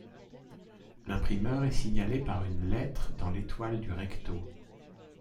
L'imprimeur est signalé par une lettre dans l'étoile du recto.